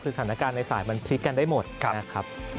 คือสถานการณ์ในสายมันพลิกกันได้หมดนะครับ